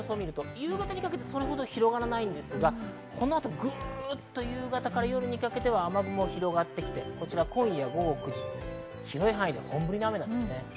夕方にかけてそれほど広がらないですが、この後、夕方から夜にかけて雨雲が広がってきて、今夜午後９時、広い範囲で本降りの雨です。